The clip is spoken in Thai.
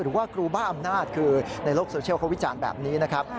หรือว่าครูบ้าอำนาจคือในโลกโซเชียลเขาวิจารณ์แบบนี้นะครับ